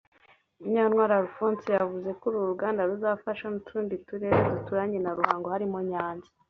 Munyantwali Alphonse yavuze ko uru ruganda ruzafasha n’utundi turere duturanye na Ruhango harimo Nyanza